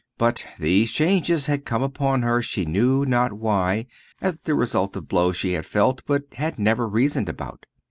But these changes had come upon her she knew not why, as the result of blows she felt but had never reasoned about.